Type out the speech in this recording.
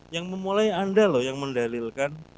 yang memulai anda loh yang mendalilkan